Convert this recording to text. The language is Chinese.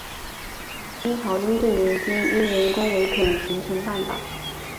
清朝雍正年间因人工围垦形成半岛。